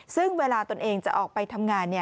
ซึ่งเวลาตนเองจะออกไปทำงาน